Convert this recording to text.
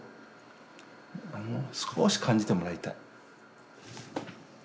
少し感じてもらいたい。